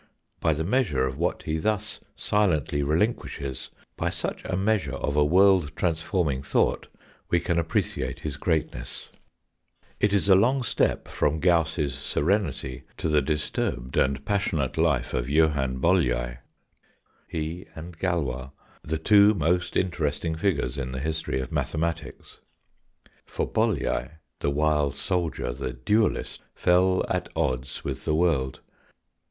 By the measure of what he thus silently relinquishes, by such a measure of a world transforming thought, we can appre ciate his greatness. 46 THE FOURTH DIMENSION It is a long step from Gauss's serenity to the disturbed and passionate life of Johann Bolyai he and Galois, the two most interesting figures in the history of mathe matics. For Bolyai, the wild soldier, the duellist, fell at odds with the world.